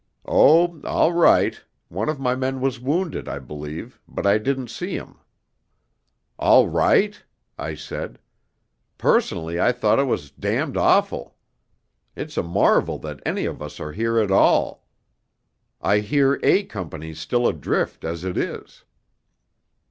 'Oh, all right; one of my men was wounded, I believe, but I didn't see him.' 'All right?' I said. 'Personally I thought it was damned awful; it's a marvel that any of us are here at all. I hear A Company's still adrift, as it is.'